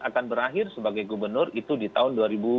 akan berakhir sebagai gubernur itu di tahun